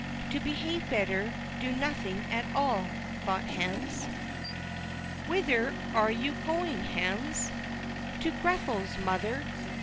"To behave better, do nothing at all," thought Hans. "Whither are you going, Hans?" "To Grethel's, mother."